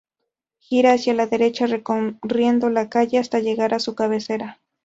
Gira hacia la derecha recorriendo la calle hasta llegar a su cabecera.